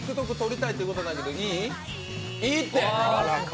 いいって。